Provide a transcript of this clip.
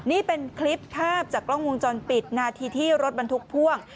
นี่เป็นคลิปภาพจากกล้องวงจรปิดนาทีที่รถบรรทุกพ่วง